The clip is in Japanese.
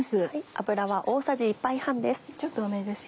油は大さじ１杯半です。